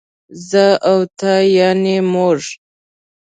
زه او ته يعنې موږ